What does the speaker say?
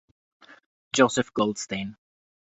Joseph Goldstein